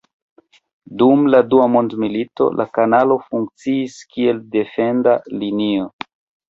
Dum la dua mondmilito la kanalo funkciis kiel defenda linio.